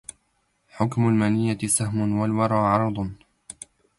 حكم المنية سهم والورى عرض